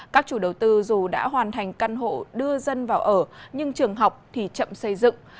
các chủ đầu tư dù đã hoàn thành căn hộ đưa dân vào ở nhưng trường học thì chậm xây dựng